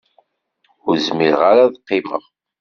Ur zmireɣ ara ad qqimeɣ.